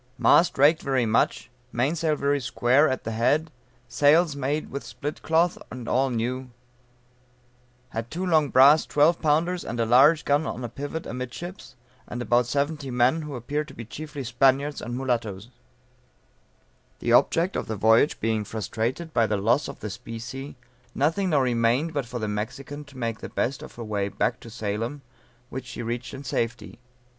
Mast raked very much, mainsail very square at the head, sails made with split cloth and all new; had two long brass twelve pounders and a large gun on a pivot amidships, and about seventy men, who appeared to be chiefly Spaniards and mulattoes. [Illustration: Pirates robbing the brig Mexican of Salem, Mass.] The object of the voyage being frustrated by the loss of the specie, nothing now remained but for the Mexican to make the best of her way back to Salem, which she reached in safety.